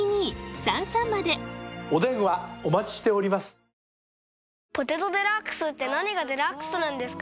ハロー「ポテトデラックス」って何がデラックスなんですか？